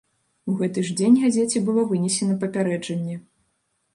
У гэты ж дзень газеце было вынесена папярэджанне.